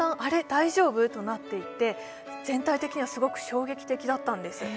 大丈夫となっていって、全体的には、すごく衝撃的だったんです。